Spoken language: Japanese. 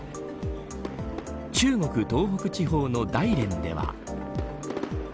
中国、東北地方の大連では。